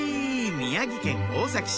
宮城県大崎市